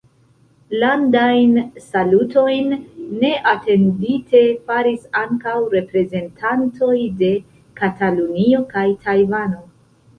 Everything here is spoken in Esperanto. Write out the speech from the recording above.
Landajn salutojn neatendite faris ankaŭ reprezentantoj de Katalunio kaj Tajvano.